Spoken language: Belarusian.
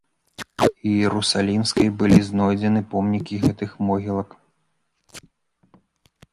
Іерусалімскай былі знойдзены помнікі гэтых могілак.